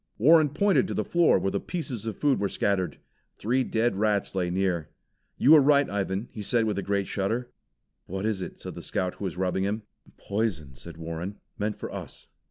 Warren pointed to the floor where the pieces of food were scattered. Three dead rats lay near. "You were right, Ivan," he said with a great shudder. "What is it?" said the Scout who was rubbing him. "Poison," said Warren. "Meant for us."